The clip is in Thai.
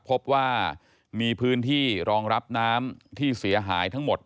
พบว่ามีพื้นที่รองรับน้ำที่เสียหายทั้งหมด